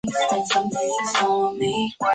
卡尚布是巴西米纳斯吉拉斯州的一个市镇。